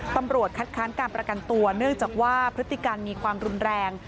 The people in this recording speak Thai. ตำรวจคัดค้านการประกันตัวเนื่องจากว่าพฤติการมีความรุนแรง